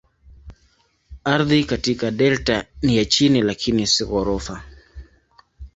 Ardhi katika delta ni ya chini lakini si ghorofa.